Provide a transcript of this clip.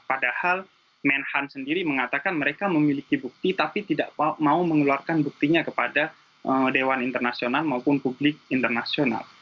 padahal menhan sendiri mengatakan mereka memiliki bukti tapi tidak mau mengeluarkan buktinya kepada dewan internasional maupun publik internasional